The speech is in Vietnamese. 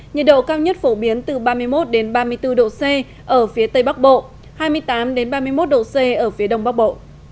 nhiệt độ cao nhất phổ biến từ ba mươi một ba mươi bốn độ c ở phía tây bắc bộ hai mươi tám ba mươi một độ c ở phía đông bắc bộ